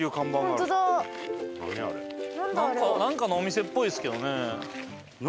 なんかのお店っぽいですけどね。